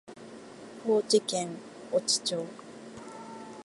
高知県越知町